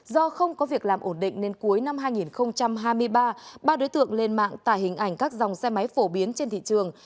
do không có việc làm ổn định nên cuối năm hai nghìn hai mươi ba ba đối tượng lên mạng tải hình ảnh các dòng xe máy phổ biến trên thị trường